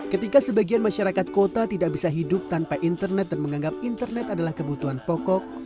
ketika sebagian masyarakat kota tidak bisa hidup tanpa internet dan menganggap internet adalah kebutuhan pokok